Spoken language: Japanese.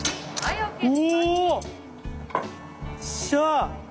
よっしゃー！